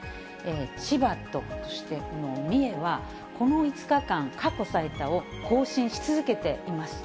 千葉とそしてこの三重は、この５日間、過去最多を更新し続けています。